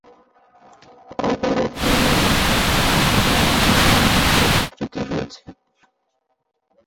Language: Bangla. অপর এক ধরনের মুদ্রায় শুধুমাত্র তার নিজের নাম ও প্রতিকৃতি রয়েছে।